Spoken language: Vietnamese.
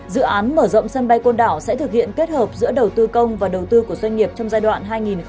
dự án mở rộng sân bay côn đảo sẽ thực hiện kết hợp giữa đầu tư công và đầu tư của doanh nghiệp trong giai đoạn hai nghìn một mươi sáu hai nghìn hai mươi